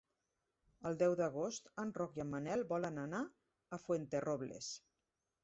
El deu d'agost en Roc i en Manel volen anar a Fuenterrobles.